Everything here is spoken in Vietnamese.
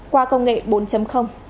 qua công nghệ bốn